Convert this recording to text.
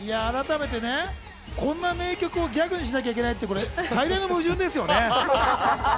改めてね、こんな名曲をギャグにしなきゃいけないというのは最大の矛盾ですよね。